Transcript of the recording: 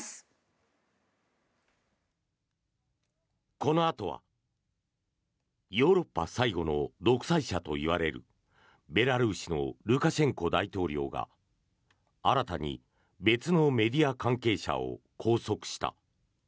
このあとはヨーロッパ最後の独裁者といわれるベラルーシのルカシェンコ大統領が新たに別のメディア関係者を拘束した。